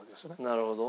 なるほど。